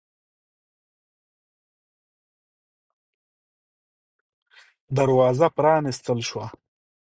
دروازه پرانستل شوه.